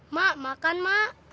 mak makan mak